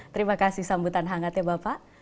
terima kasih sambutan hangatnya bapak